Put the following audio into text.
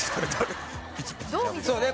そうね。